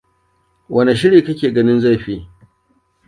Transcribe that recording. Wane shiri kake ganin zai fi?